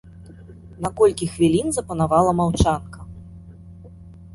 На колькі хвілін запанавала маўчанка.